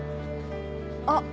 あっ。